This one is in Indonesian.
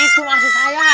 itu maksud saya